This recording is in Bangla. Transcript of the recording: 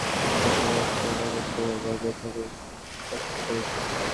গবেষকেরা দেখেছেন যাঁরা নিয়মিত প্রাতরাশ করেন তাঁদের শরীরে বজায় থাকে স্বাস্থ্যকর ওজন।